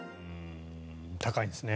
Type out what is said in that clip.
高いんですね。